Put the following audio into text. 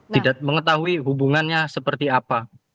tidak mengetahui hubungannya seperti apa